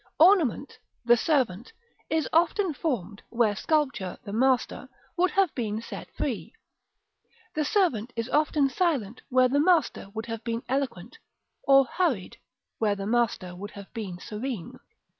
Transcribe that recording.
Ornament, the servant, is often formal, where sculpture, the master, would have been free; the servant is often silent where the master would have been eloquent; or hurried, where the master would have been serene.